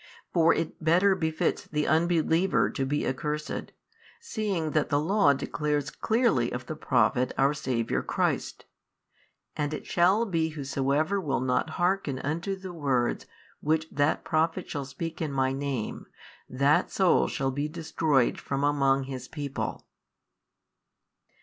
For it better befits the unbeliever to be accursed, seeing that the Law declares clearly of the Prophet our Saviour Christ, And it shall be whosoever will not hearken unto the words which that Prophet shall speak in My Name, that soul shall be destroyed from among his people.